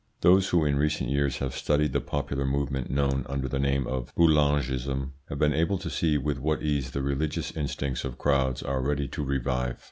Those who in recent years have studied the popular movement known under the name of Boulangism have been able to see with what ease the religious instincts of crowds are ready to revive.